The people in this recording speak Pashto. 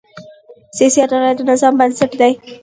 سیاسي عدالت د نظام بنسټ دی